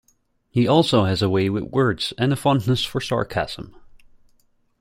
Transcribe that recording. He also has a way with words and a fondness for sarcasm.